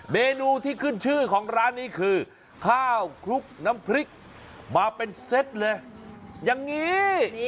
เมนูที่ขึ้นชื่อของร้านนี้คือข้าวคลุกน้ำพริกมาเป็นเซตเลยอย่างนี้